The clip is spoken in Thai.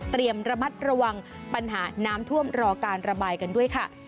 ระมัดระวังปัญหาน้ำท่วมรอการระบายกันด้วยค่ะ